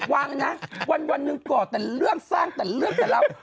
วางนะวันหนึ่งก่อแต่เรื่องสร้างแต่เรื่องแต่เล่า